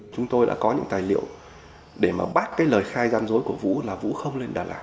chúng tôi đã có những tài liệu để mà bắt cái lời khai gian dối của vũ là vũ không lên đà lạt